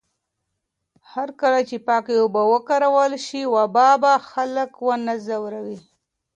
هرکله چې پاکې اوبه وکارول شي، وبا به خلک ونه ځوروي.